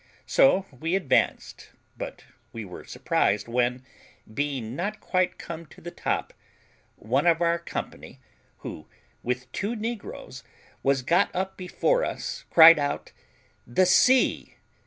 So we advanced; but we were surprised when, being not quite come to the top, one of our company, who, with two negroes, was got up before us, cried out, "The sea!